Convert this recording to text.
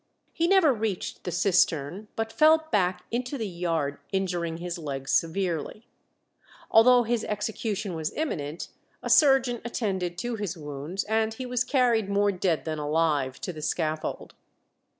He never reached the cistern, but fell back into the yard, injuring his legs severely. Although his execution was imminent, a surgeon attended to his wounds, and he was carried more dead than alive to the scaffold.